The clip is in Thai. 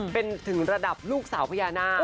เป็นถึงระดับลูกสาวพญานาค